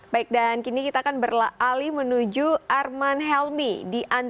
baik dan kini kita akan berlali menuju ke jalan garuda